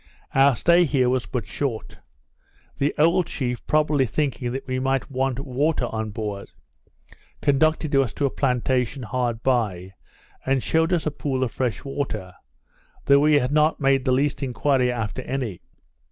Our stay here was but short. The old chief, probably thinking that we might want water on board, conducted us to a plantation hard by, and shewed us a pool of fresh water, though we had not made the least enquiry after any.